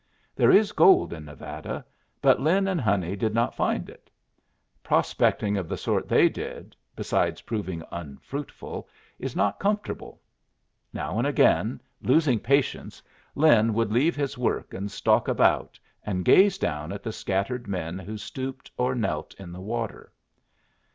There is gold in Nevada, but Lin and Honey did not find it. Prospecting of the sort they did, besides proving unfruitful, is not comfortable. Now and again, losing patience, Lin would leave his work and stalk about and gaze down at the scattered men who stooped or knelt in the water.